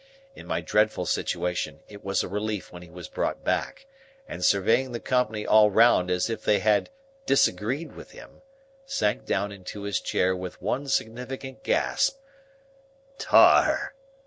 In my dreadful situation, it was a relief when he was brought back, and surveying the company all round as if they had disagreed with him, sank down into his chair with the one significant gasp, "Tar!"